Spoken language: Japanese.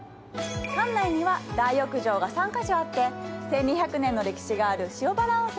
館内には大浴場が３カ所あって１２００年の歴史がある塩原温泉を満喫できるの。